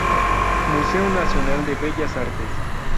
Museo Nacional de Bellas Artes.